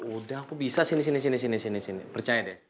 udah aku bisa sini sini sini percaya des